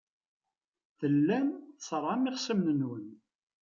Tellam tṣerrɛem ixṣimen-nwen.